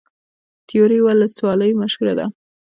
تیوره ولسوالۍ مشهوره ده؟